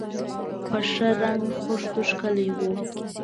په ښه رنګ خښتو ښکلي و.